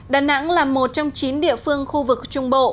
đà nẵng là một trong chín địa phương khu vực trung bộ